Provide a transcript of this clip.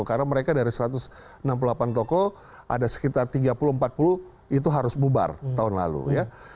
karena mereka dari satu ratus enam puluh delapan toko ada sekitar tiga puluh empat puluh itu harus bubar tahun lalu ya